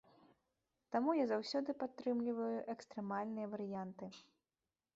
Таму я заўсёды падтрымліваю экстрэмальныя варыянты.